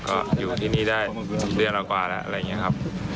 ก็อยู่ที่นี่ได้เดือนกว่าแล้วอะไรอย่างนี้ครับ